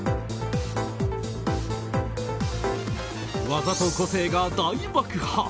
技と個性が大爆発。